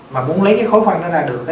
mà muốn lấy cái khối phân nó ra được